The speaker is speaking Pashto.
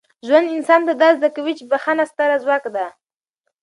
ژوند انسان ته دا زده کوي چي بخښنه ستره ځواک ده.